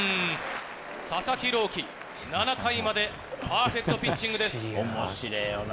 佐々木朗希、７回までパーフェクトピッチングです。